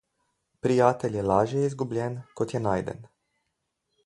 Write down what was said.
Prijatelj je lažje izgubljen, kot je najden.